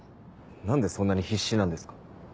何でそんなに必死なんですか。